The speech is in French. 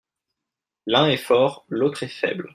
L'un est fort, l'autre est faible.